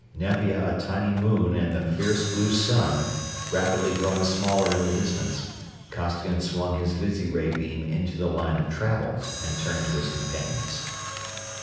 Nevia a tiny moon and the fierce blue sun rapidly growing smaller in the distance, Costigan swung his visiray beam into the line of travel and turned to his companions.